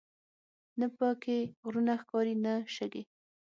نه په کې غرونه ښکاري نه شګې.